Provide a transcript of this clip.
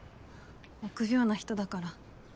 臆病な人だから。